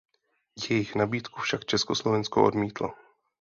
Jejich nabídku však Československo odmítlo.